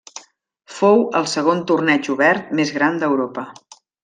Fou el segon torneig obert més gran d'Europa.